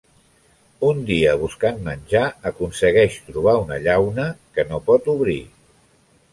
Un dia buscant menjar aconsegueix trobar una llauna que no pot obrir.